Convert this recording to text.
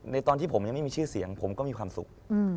ตอนที่ผมยังไม่มีชื่อเสียงผมก็มีความสุข